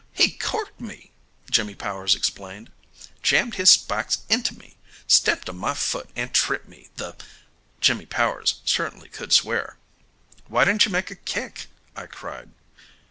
"He corked me!" Jimmy Powers explained. "Jammed his spikes into me! Stepped on my foot and tripped me, the " Jimmy Powers certainly could swear. "Why didn't you make a kick?" I cried.